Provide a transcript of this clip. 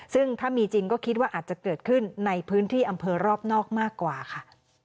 ซึ่งถ้ามีจริงก็คิดว่าอาจจะเกิดขึ้นในพื้นที่อำเภอรอบนอกมากกว่าค่ะ